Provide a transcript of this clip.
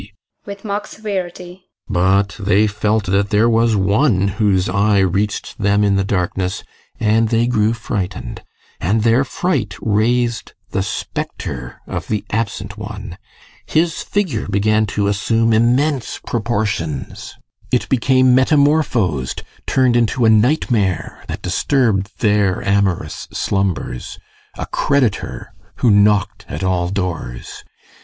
[With mock severity] But they felt that there was ONE whose eye reached them in the darkness and they grew frightened and their fright raised the spectre of the absent one his figure began to assume immense proportions it became metamorphosed: turned into a nightmare that disturbed their amorous slumbers; a creditor who knocked at all doors.